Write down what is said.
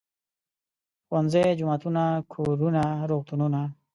ښوونځي، جوماتونه، کورونه، روغتونونه.